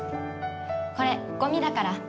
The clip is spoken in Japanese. これゴミだから。